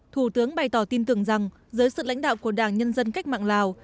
thủ tướng bày tỏ tin tưởng rằng dưới sự lãnh đạo của đảng nhân dân cách mạng lào